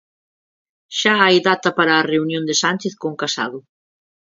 Xa hai data para a reunión de Sánchez con Casado.